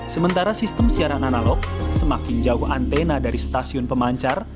sementara sistem siaran analog semakin jauh antena dari stasiun pemancar